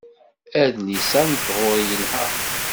Adlis-a n tɣuri yelha.